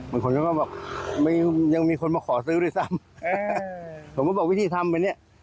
บางคนก็ได้ก็บอกยังมีคนมาขอซื้อด้วยซ้ำ